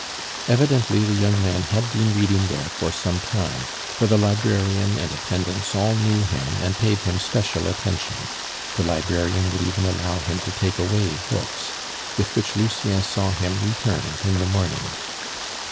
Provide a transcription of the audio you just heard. Evidently the young man had been reading there for some time, for the librarian and attendants all knew him and paid him special attention; the librarian would even allow him to take away books, with which Lucien saw him return in the morning.